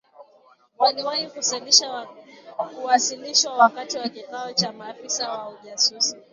waliwahi kuwasilishwa wakati wa kikao cha maafisa wa ujasusi